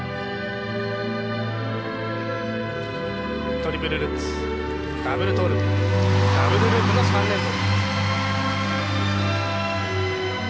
トリプルルッツダブルトウループダブルループの３連続。